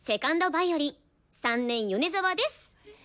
ヴァイオリン３年米沢でっす。